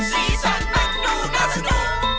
สีสันมันดูน่าสนุก